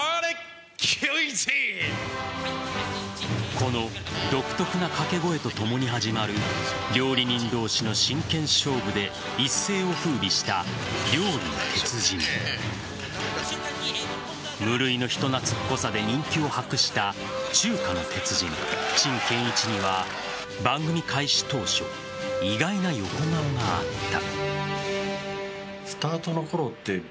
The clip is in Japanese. この独特な掛け声とともに始まる料理人同士の真剣勝負で一世を風靡した「料理の鉄人」無類の人懐っこさで人気を博した中華の鉄人・陳建一は番組開始当初意外な横顔があった。